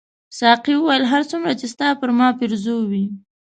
ساقي وویل هر څومره چې ستا پر ما پیرزو وې.